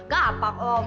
gak apak om